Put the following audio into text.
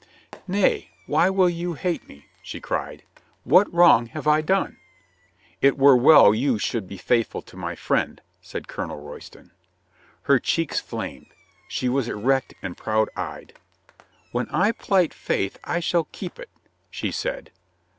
"Nay, why will you hate me?" she cried. "What wrong have I done?" "It were well you should be faithful to my friend," said Colonel Royston. Her cheeks flamed. She was erect and proud eyed. "When I plight faith I shall keep it," she said.